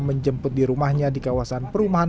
menjemput di rumahnya di kawasan perumahan